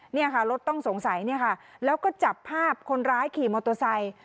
นี่ค่ะรถต้องสงสัยแล้วก็จับภาพคนร้ายขี่มอเตอร์ไซค์